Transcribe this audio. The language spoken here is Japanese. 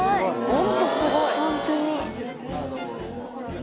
ホントすごい。